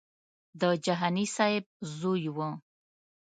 د جهاني صاحب زوی و.